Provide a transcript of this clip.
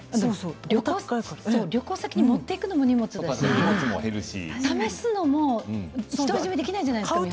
旅行先に持っていくのも荷物だし試すのもできないじゃないですか。